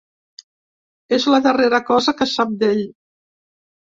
És la darrera cosa que sap d’ell.